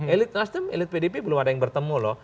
elit nasdem elit pdip belum ada yang bertemu loh